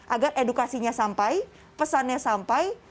agar edukasinya sampai pesannya sampai